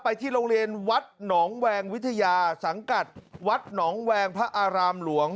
ที่โรงเรียนวัดหนองแวงวิทยาสังกัดวัดหนองแวงพระอารามหลวง